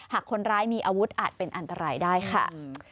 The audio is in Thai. หากคนร้ายมีอาวุธอาจเป็นอันตรายได้ค่ะ